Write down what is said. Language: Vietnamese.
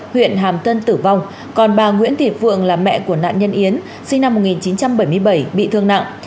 huyện hàm tân tử vong còn bà nguyễn thị phượng là mẹ của nạn nhân yến sinh năm một nghìn chín trăm bảy mươi bảy bị thương nặng